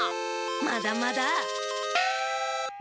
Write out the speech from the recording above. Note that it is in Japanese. まだまだ！